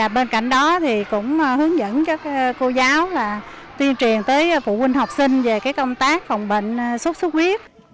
bên cạnh đó cũng hướng dẫn cho cô giáo tuyên truyền tới phụ huynh học sinh về công tác phòng bệnh suốt suốt huyết